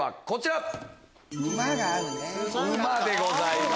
こちら。